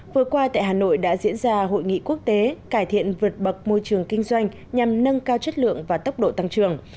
vừa qua tại hà nội đã diễn ra hội nghị quốc tế cải thiện vượt bậc môi trường kinh doanh nhằm nâng cao chất lượng và tốc độ tăng trưởng